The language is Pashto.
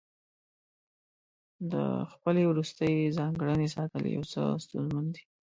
د خپلې وروستۍ ځانګړنې ساتل یو څه ستونزمن دي.